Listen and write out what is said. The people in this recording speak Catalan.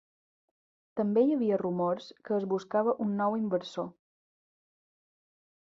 També hi havia rumors que es buscava un nou inversor.